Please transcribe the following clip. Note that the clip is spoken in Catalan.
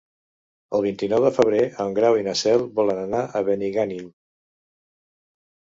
El vint-i-nou de febrer en Grau i na Cel volen anar a Benigànim.